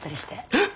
えっ！